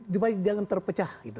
supaya jangan terpecah gitu